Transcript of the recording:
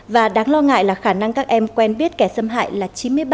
và đáng lo ngại là khả năng các em quen biết kẻ xâm hại là chín mươi ba